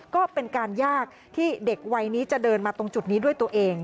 ก็เป็นการยากที่เด็กวัยนี้จะเดินมาตรงจุดนี้ด้วยตัวเอง